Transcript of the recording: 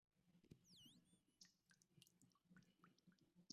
很多的前玩家都估计模拟市民社区版是它的继承作品。